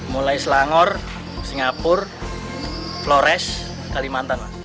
mulai selangor singapura flores kalimantan